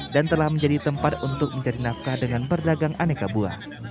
dan telah menjadi tempat untuk mencari nafkah dengan pedagang aneka buah